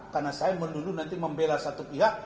karena saya mendulu nanti membela satu pihak